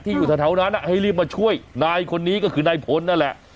ที่อยู่ทะเท่านั้นอะให้รีบมาช่วยนายคนนี้ก็คือนายพ้นนั่นแหละ